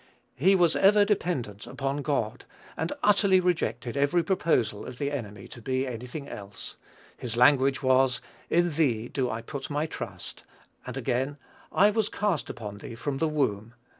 He was over dependent upon God, and utterly rejected every proposal of the enemy to be any thing else. His language was, "In thee do I put my trust;" and again, "I was cast upon thee from the womb."